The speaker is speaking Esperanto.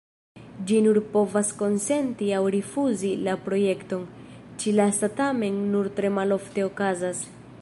Ĝi nur povas konsenti aŭ rifuzi la projekton; ĉi-lasta tamen nur tre malofte okazas.